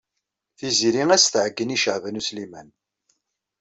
Tiziri ad as-tɛeyyen i Caɛban U Sliman.